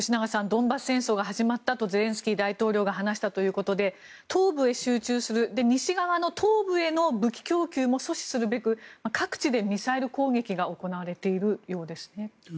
ドンバス戦争が始まったとゼレンスキー大統領が話したということで東部へ集中する西側の東部への武器供給も阻止するべく各地でミサイル攻撃が行われているようですね。